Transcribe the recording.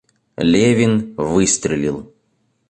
Левин выстрелил.